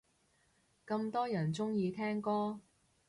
咁多人鍾意聽歌